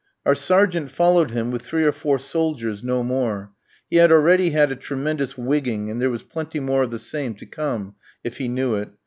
Our sergeant followed him with three or four soldiers, no more; he had already had a tremendous wigging, and there was plenty more of the same to come, if he knew it.